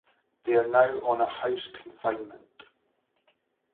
They are now on a house confinement.